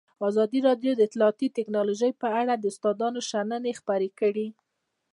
ازادي راډیو د اطلاعاتی تکنالوژي په اړه د استادانو شننې خپرې کړي.